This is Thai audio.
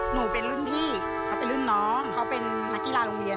หนูเป็นรุ่นพี่เขาเป็นรุ่นน้องเขาเป็นนักกีฬาโรงเรียน